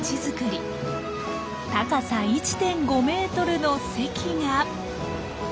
高さ１．５ｍの堰が。